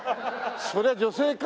そりゃ女性か！